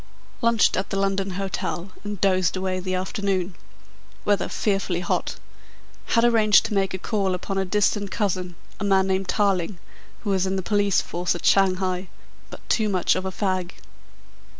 "Lunched at the London Hotel and dozed away the afternoon. Weather fearfully hot. Had arranged to make a call upon a distant cousin a man named Tarling who is in the police force at Shanghai, but too much of a fag.